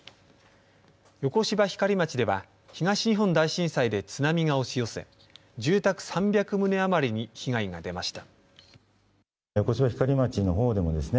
横芝光町では東日本大震災で津波が押し寄せ住宅３００棟余りに被害が出ました。